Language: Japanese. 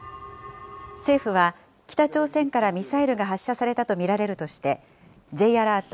政府は北朝鮮からミサイルが発射されたと見られるとして、Ｊアラート